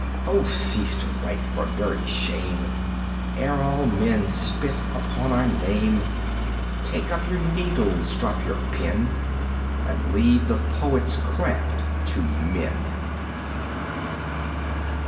Oh, cease to write, for very shame, Ere all men spit upon our name! Take up your needles, drop your pen, And leave the poet's craft to men!